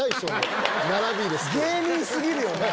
芸人過ぎるよな！